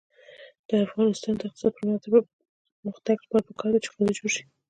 د افغانستان د اقتصادي پرمختګ لپاره پکار ده چې ښوونځي جوړ شي.